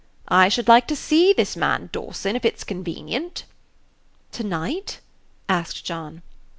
I should like to see this man Dawson, if it's convenient." "To night?" asked John.